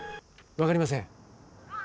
分かりません。